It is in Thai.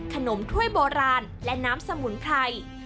ถ้วยโบราณและน้ำสมุนไพร